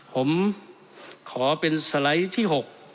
ผมขอเป็นสไลด์ที่๖